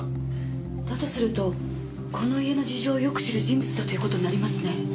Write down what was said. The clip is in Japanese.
だとするとこの家の事情をよく知る人物だという事になりますね。